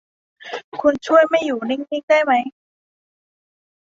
คุณช่วยไม่อยู่นิ่ง ๆ ได้มั้ย